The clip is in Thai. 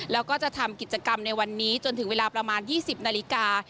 แล้วก็จะทำกิจกรรมในวันนี้จนถึงเวลาประมาณ๒๐นาฬิกา